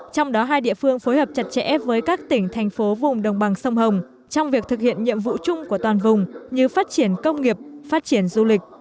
trong đó hai địa phương phối hợp chặt chẽ với các tỉnh thành phố vùng đồng bằng sông hồng trong việc thực hiện nhiệm vụ chung của toàn vùng như phát triển công nghiệp phát triển du lịch